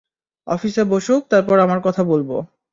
অফিসে বসুক, তারপর আমরা কথা বলব।